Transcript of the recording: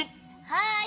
はい！